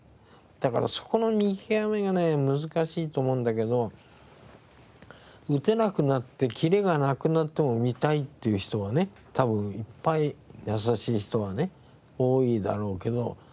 だからそこの見極めがね難しいと思うんだけど打てなくなってキレがなくなっても見たいっていう人がね多分いっぱい優しい人がね多いだろうけど。